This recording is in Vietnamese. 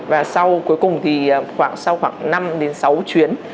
và cuối cùng thì sau khoảng năm đến sáu chuyến